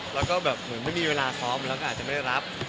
แล้วก็แบบเหมือนไม่มีเวลาซ้อมแล้วก็อาจจะไม่ได้รับ